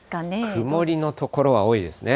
曇りの所が多いですね。